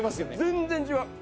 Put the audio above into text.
全然違う！